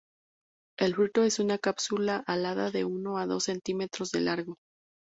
El fruto es una cápsula alada de uno o dos centímetros de largo.